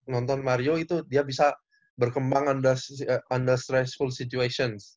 nonton mario itu dia bisa berkembang under stressful situations